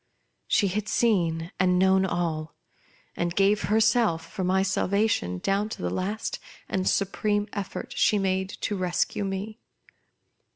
She had seen and known all, and gave herself for my salvation down to the last and supreme effort she made to rescue me.